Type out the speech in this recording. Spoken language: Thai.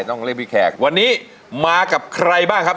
ต้องเรียกพี่แขกวันนี้มากับใครบ้างครับ